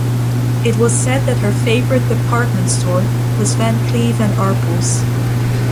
It was said that her favorite "department store" was Van Cleef and Arpels.